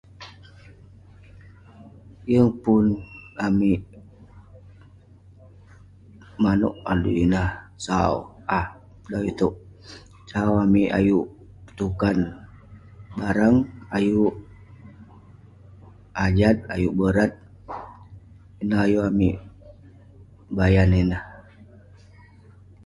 Yeng pun amik manouk adui ineh sau- ah, dai itouk. Sau amik petukan barang, ayuk ajat, ayuk borat ; ineh ayuk amik bayan ineh.